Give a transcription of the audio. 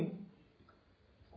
tapi ketika itu terjadi